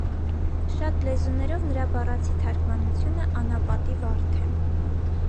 Շատ լեզուներով նրա բառացի թարգմանությունը՝ «անապատի վարդ» է։